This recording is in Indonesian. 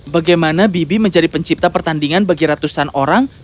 bagaimana bibi menjadi pencipta pertandingan bagi ratusan orang